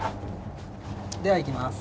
では行きます。